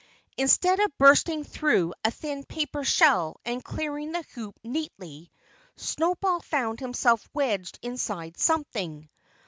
Instead of bursting through a thin paper shell and clearing the hoop neatly Snowball found himself wedged inside something.